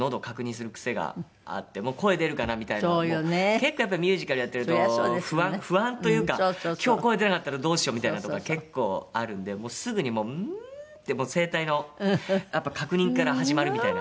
結構ミュージカルやってると不安不安というか今日声出なかったらどうしようみたいなのとか結構あるんでもうすぐに「ううー」って声帯の確認から始まるみたいな。